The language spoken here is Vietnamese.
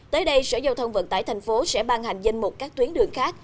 tới đây sở giao thông vận tải tp hcm sẽ ban hành danh mục các tuyến đường khác